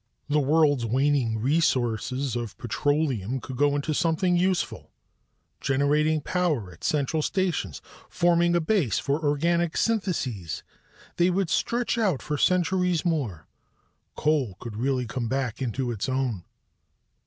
The world's waning resources of petroleum could go into something useful: generating power at central stations, forming a base for organic syntheses; they would stretch out for centuries more. Coal could really come back into its own.